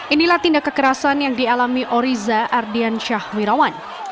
inilah tindak kekerasan yang dialami oriza ardian syahwirawan